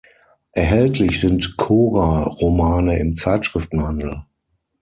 Erhältlich sind Cora-Romane im Zeitschriftenhandel.